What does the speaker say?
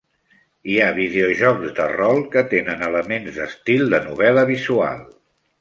Hi ha videojocs de rol que tenen elements d'estil de novel·la visual.